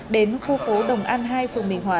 đến khu phố đồng an hai phường bình hòa